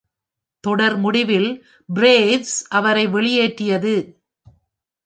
தொடர் முடிவில் பிரேவ்ஸ் அவரை வெளியேற்றியது.